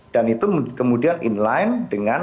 dan itu kemudian inline dengan